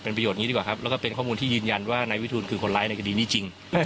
ประโยชนนี้ดีกว่าครับแล้วก็เป็นข้อมูลที่ยืนยันว่านายวิทูลคือคนร้ายในคดีนี้จริง